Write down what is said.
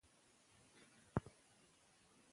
که کمربند وتړو نو نه ژوبلیږو.